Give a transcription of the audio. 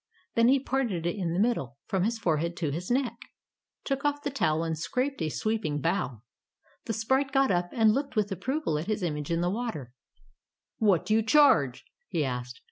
Then he parted it in the middle, from his forehead to his neck, took off the towel and scraped a sweeping bow. The sprite got up, and looked with approval at his image in the water. 86 Tales of Modern Germany "What do you charge ?" he asked.